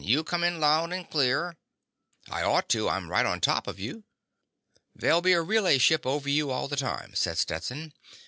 "You come in loud and clear." "I ought to. I'm right on top of you!" "There'll be a relay ship over you all the time," said Stetson.